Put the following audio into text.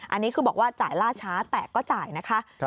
อันนี้คือบอกว่าจ่ายล่าช้าแต่ก็จ่ายนะคะ